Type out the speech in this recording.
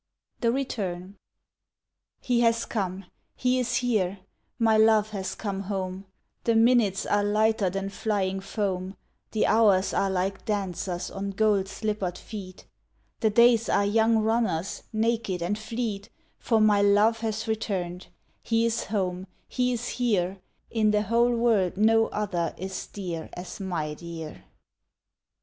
The Return He has come, he is here, My love has come home, The minutes are lighter Than flying foam, The hours are like dancers On gold slippered feet, The days are young runners Naked and fleet For my love has returned, He is home, he is here, In the whole world no other Is dear as my dear!